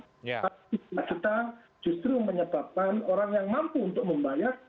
tapi kita justru menyebabkan orang yang mampu untuk membayar